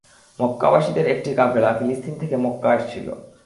মক্কাবাসীদের একটি কাফেলা ফিলিস্তিন থেকে মক্কা আসছিল।